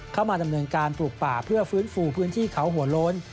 เข้ามาดำเนินการปลูกป่าเพื่อฟื้นฟูพื้นที่เขาหัวโล้น